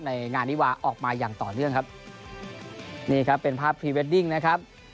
ในงานวิวาออกมาอย่างต่อเนื่องครับนี่ครับเป็นภาพพรีเวดดิ้งนะครับ